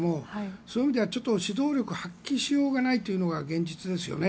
そういう意味では、指導力を発揮しようがないというのが現実ですよね。